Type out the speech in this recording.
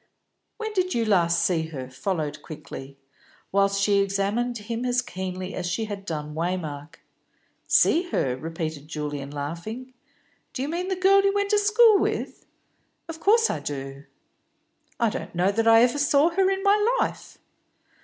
"When did you see her last?" followed quickly, whilst she examined him as keenly as she had done Waymark. "See her?" repeated Julian, laughing. "Do you mean the girl you went to school with?" "Of course I do." "I don't know that I ever saw her in my life."